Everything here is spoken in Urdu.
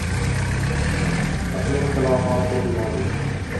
اپنے اختلافات کو بھلا دو۔